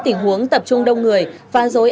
tình huống tập trung đông người phá dối